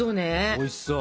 おいしそう！